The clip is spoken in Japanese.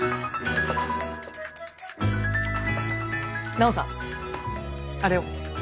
ナオさんあれを。